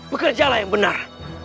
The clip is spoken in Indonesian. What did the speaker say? bekerjalah yang benar